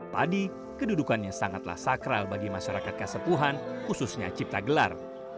padi kedudukannya sangatlah sakral bagi masyarakat kasepuhan khususnya cipta gelar